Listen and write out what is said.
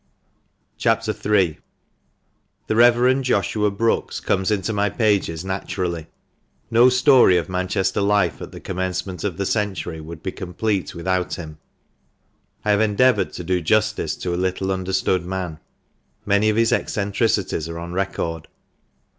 CHAP. III. — The Rev. Joshua Brookes comes into my pages naturally — no story of Manchester life at the commencement of this century would be complete without him. I have endeavoured to do justice to a little understood man. Many of his eccentricities are on record.